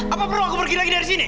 apa perlu aku pergi lagi dari sini